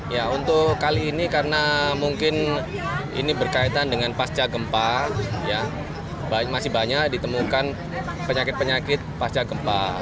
ya untuk kali ini karena mungkin ini berkaitan dengan pasca gempa masih banyak ditemukan penyakit penyakit pasca gempa